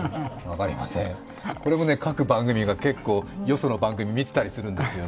これも各番組が結構、よその番組見ていたりするんですよね。